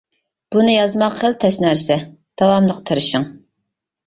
بۇنى يازماق خېلى تەس نەرسە داۋاملىق تىرىشىڭ.